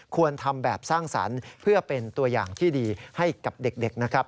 ควรทำแบบสร้างสรรค์เพื่อเป็นตัวอย่างที่ดีให้กับเด็กนะครับ